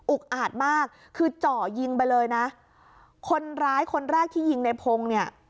อาจมากคือเจาะยิงไปเลยนะคนร้ายคนแรกที่ยิงในพงศ์เนี่ย